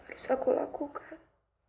harus aku lakukan